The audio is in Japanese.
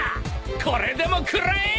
これでも食らえ！